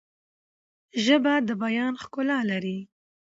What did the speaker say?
ژبه د بیان ښکلا لري.